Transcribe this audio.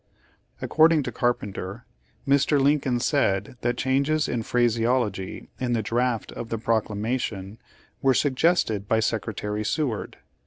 According to Carpenter Mr. Lincoln said that changes in phraseology in the draft of the procla mation were suggested by Secretary Seward.